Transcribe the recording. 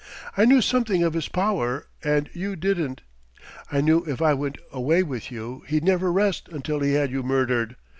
I knew something of his power, and you didn't; I knew if I went away with you he'd never rest until he had you murdered.